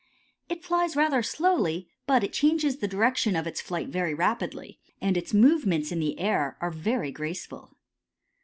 It flies rather slowly, but it changes the direction of its flight very rapidly, and its movements in the air are very graceful.